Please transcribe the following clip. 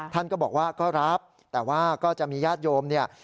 ท่านก็บอกว่าก็รับแต่ว่าก็จะมีญาติโยมเนี่ย